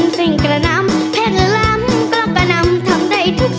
รำเสกละน้ำแพทย์ลำก็กระนำทำได้ทุกสิ่ง